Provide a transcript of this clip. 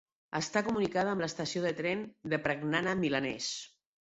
Està comunicada amb l'estació de tren de Pregnana Milanese.